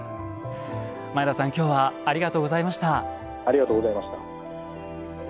前田さん、きょうはありがとうございました。